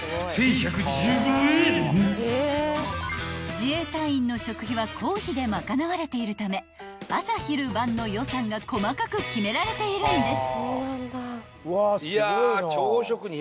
［自衛隊員の食費は公費で賄われているため朝昼晩の予算が細かく決められているんです］